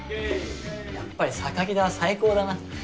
やっぱり田は最高だな。